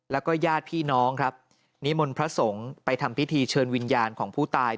แล้วก็ญาติพี่น้องครับนิมนต์พระสงฆ์ไปทำพิธีเชิญวิญญาณของผู้ตาย